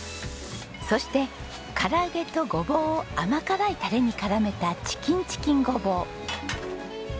そして唐揚げとごぼうを甘辛いタレに絡めたチキンチキンごぼう。